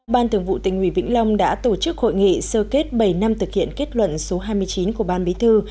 ban thường vụ tỉnh ủy vĩnh long đã tổ chức hội nghị sơ kết bảy năm thực hiện kết luận số hai mươi chín của ban bí thư